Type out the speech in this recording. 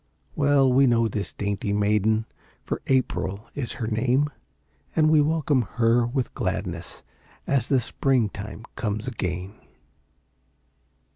Well we know this dainty maiden, For April is her name; And we welcome her with gladness, As the springtime comes again.